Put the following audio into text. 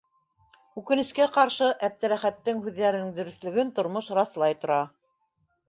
Үкенескә ҡаршы, Әптеләхәттең һүҙҙәренең дөрөҫлөгөн тормош раҫлай тора.